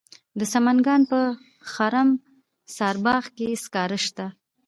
د سمنګان په خرم سارباغ کې سکاره شته.